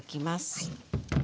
はい。